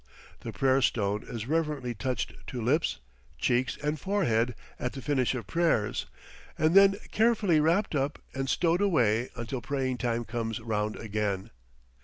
The prayer stone is reverently touched to lips, cheeks, and forehead at the finish of prayers, and then carefully wrapped up and stowed away until praying time comes round again.